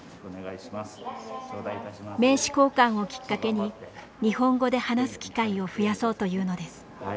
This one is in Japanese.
名刺交換をきっかけに日本語で話す機会を増やそうというのです。